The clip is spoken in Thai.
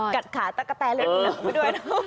กัดขาตะกะแตเลยดูหนังไปด้วยนะ